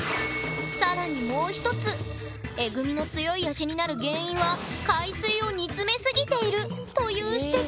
さらにもう１つ「えぐみの強い味」になる原因は海水を煮詰め過ぎているという指摘。